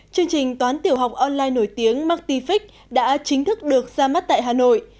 chương trình toán tiểu học online nổi tiếng martific đã chính thức được ra mắt tại hà nội